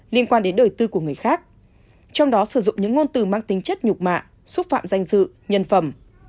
liên quan đến đời tư của người khác trong đó sử dụng những ngôn từ mang tính chất nhục mạ xúc phạm danh dự nhân phẩm